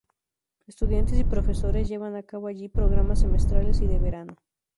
Estudiantes y profesores llevan a cabo allí programas semestrales y de verano.